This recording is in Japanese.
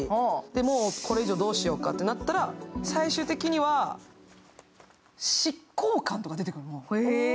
もうこれ以上どうしようかってなったら、最終的には執行官とか出てくるの。